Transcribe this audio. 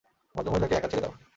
ভদ্রমহিলাকে একা ছেড়ে দাও।